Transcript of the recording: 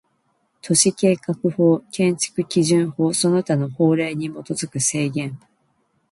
都市計画法、建築基準法その他の法令に基づく制限